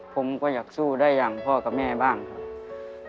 ผมก็อยากสู้ได้อย่างพ่อกับแม่บ้างครับ